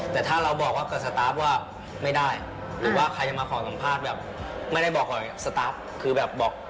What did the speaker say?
แต่ถ้าเราบอกว่ากับสตาร์ฟว่าไม่ได้หรือว่าใครจะมาขอสัมภาษณ์แบบไม่ได้บอกก่อนสตาร์ฟคือแบบบอก